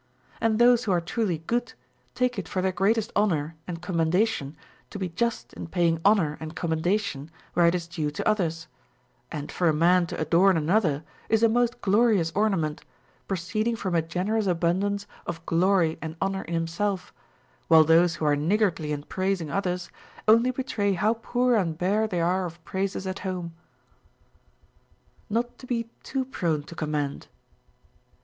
And those who are truly good take it for their greatest honor and commendation to be just in paying honor and commendation where it is due to others ; and for a man to adorn another is a most glorious ornament, proceeding from a generous abundance of glory and honor in himself; while those who are niggardly in praising others only betray how poor and bare they are of praises at home. Not to he too prone to commend.